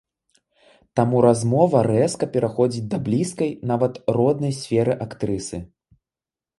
Таму размова рэзка пераходзіць да блізкай, нават, роднай сферы актрысы.